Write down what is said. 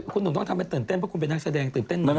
คุณต้องทำเป็นตื่นเต้นเพราะคุณเป็นนักแสดงตื่นเต้น